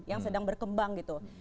yang sedang berkembang gitu